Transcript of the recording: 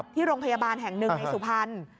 ที่โรงพยาบาลแห่งหนึ่งในสุพรรณ